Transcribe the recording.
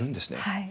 はい。